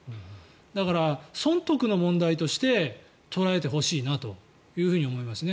だから、損得の問題として捉えてほしいなと思います。